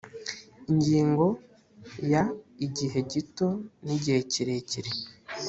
ingingo ya igihe gito n igihe kirekire